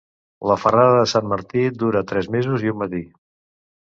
La ferrada de Sant Martí dura tres mesos i un matí.